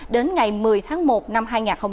đến ngày một mươi tháng một năm hai nghìn hai mươi